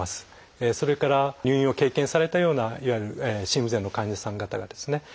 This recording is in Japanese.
それから入院を経験されたようないわゆる心不全の患者さん方がですね